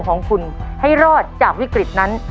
ของคุณให้รอดจากวิกฤตนั้น